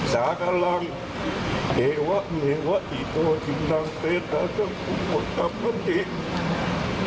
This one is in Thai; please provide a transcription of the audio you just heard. สากลังเดวะเมวะอีโตจิมนังเตทาจังคุณพวัตตาพระนิต